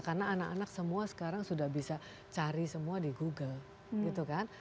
karena anak anak semua sekarang sudah bisa cari semua di google gitu kan